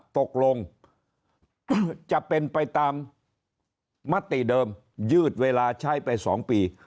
ตกลงจะเป็นไปตามมติเดิมยืดเวลาใช้ไป๒ปี